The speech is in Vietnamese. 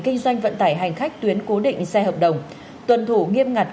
kinh doanh vận tải hành khách tuyến cố định xe hợp đồng tuân thủ nghiêm ngặt